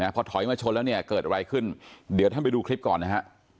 พอถอยมาชนแล้วเนี่ยเกิดอะไรขึ้นเดี๋ยวท่านไปดูคลิปก่อนนะฮะ